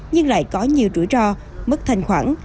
nhưng lại có nhiều rủi ro mất thành khoản